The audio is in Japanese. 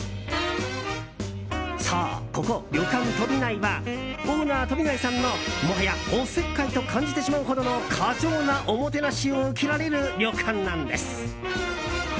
そう、ここ旅館とびないはオーナー飛内さんのもはや、おせっかいと感じてしまうほどの過剰なおもてなしを受けられる旅館なんです。